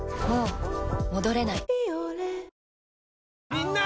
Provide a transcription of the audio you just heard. みんな！